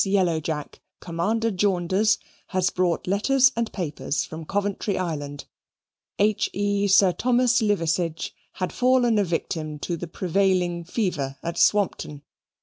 Yellowjack, Commander Jaunders, has brought letters and papers from Coventry Island. H. E. Sir Thomas Liverseege had fallen a victim to the prevailing fever at Swampton.